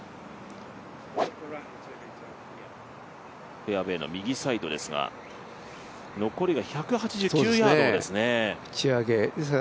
フェアウエーの右サイドですが残りが１８９ヤードですね。